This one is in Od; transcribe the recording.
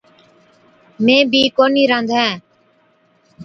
مين بِي ڪونھِي رانڌين۔